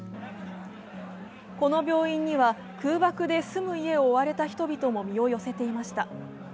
この病院には、空爆で住む家を追われた人々も身を寄せていました。